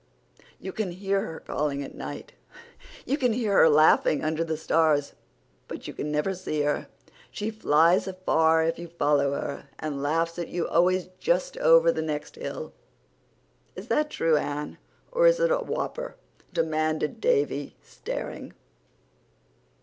You can hear her calling at night; you can hear her laughing under the stars. But you can never see her. She flies afar if you follow her, and laughs at you always just over the next hill." "Is that true, Anne? Or is it a whopper?" demanded Davy staring.